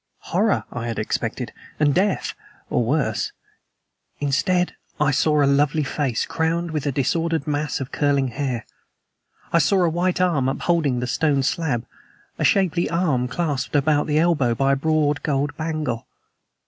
Horror I had expected and death, or worse. Instead, I saw a lovely face, crowned with a disordered mass of curling hair; I saw a white arm upholding the stone slab, a shapely arm clasped about the elbow by a broad gold bangle.